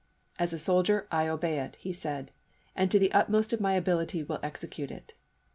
"As a soldier, I obey it," he said, " and to the utmost of my ability will execute it."